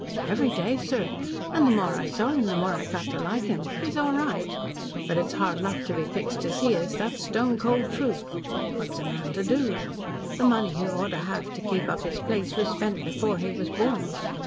"Every day, sir. And the more I saw him, the more I got to like him. He's all right. But it's hard luck to be fixed as he is that's stone cold truth. What's a man to do? The money he ought to have to keep up his place was spent before he was born.